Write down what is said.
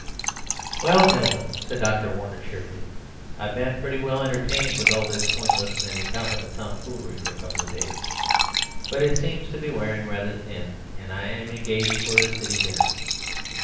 "Well, gentlemen," said Dr. Warner cheerfully, "I've been pretty well entertained with all this pointless and incompetent tomfoolery for a couple of days; but it seems to be wearing rather thin, and I'm engaged for a city dinner.